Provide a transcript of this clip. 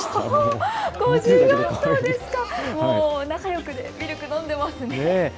仲よくミルク飲んでますね。